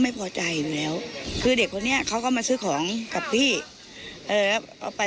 สักเมื่อกี้เขาก็เข้าไป